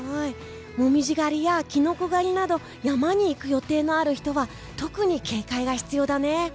紅葉狩りやキノコ狩りなど山に行く予定のある人は特に警戒が必要だね。